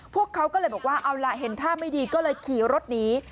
พวกเขาก็เลยบอกว่าเอาล่ะเห็นท่าไม่ดีก็เลยขี่รถหนี